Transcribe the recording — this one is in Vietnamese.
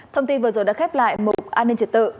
thông tin vừa rồi đã khép lại một an ninh trật tự